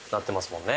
もんね